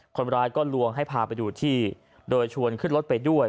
คนร้ายก็ลวงให้พาไปดูที่โดยชวนขึ้นรถไปด้วย